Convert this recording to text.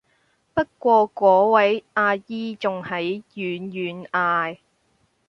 不過果位阿姨仲喺遠遠嗌